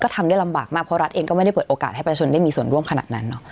ทำได้ลำบากมากเพราะรัฐเองก็ไม่ได้เปิดโอกาสให้ประชาชนได้มีส่วนร่วมขนาดนั้นเนาะ